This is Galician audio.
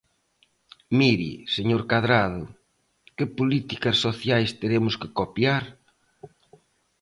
Mire, señor Cadrado, ¿que políticas sociais teremos que copiar?